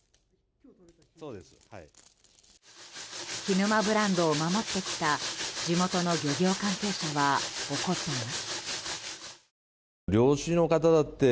涸沼ブランドを守ってきた地元の漁業関係者は怒っています。